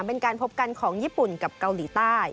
สำหรับการพบกันของเย็บปุ่นกับเกาหลีใต้